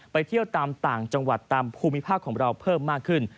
ไปเที่ยวตามต่างจังหวัดตามภูมิภาคของเราเพิ่มมากขึ้น